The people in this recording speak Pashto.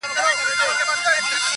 ویلې یې لاحول ده پخوا په کرنتین کي!!